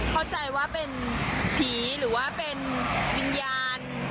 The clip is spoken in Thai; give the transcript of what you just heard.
เข้าใจว่าเป็นผีหรือว่าเป็นวิญญาณ